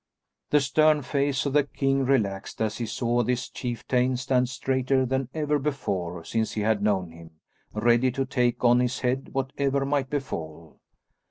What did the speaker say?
The stern face of the king relaxed as he saw this chieftain stand straighter than ever before since he had known him, ready to take on his head whatever might befall.